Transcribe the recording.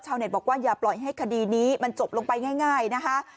เน็ตบอกว่าอย่าปล่อยให้คดีนี้มันจบลงไปง่ายนะคะ